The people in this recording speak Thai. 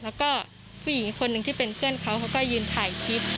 แล้วก็ผู้หญิงอีกคนนึงที่เป็นเพื่อนเขาเขาก็ยืนถ่ายคลิป